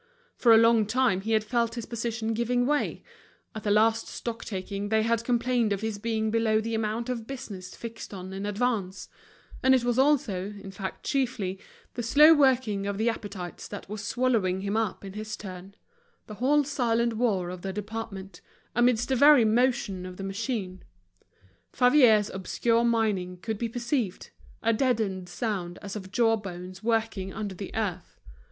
For a long time he had felt his position giving way; at the last stock taking they had complained of his being below the amount of business fixed on in advance; and it was also, in fact chiefly, the slow working of the appetites that were swallowing him up in his turn—the whole silent war of the department, amidst the very motion of the machine. Favier's obscure mining could be perceived—a deadened sound as of jawbones working under the earth.